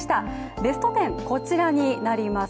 ベスト１０、こちらになります。